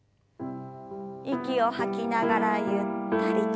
息を吐きながらゆったりと。